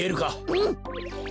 うん！